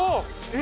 え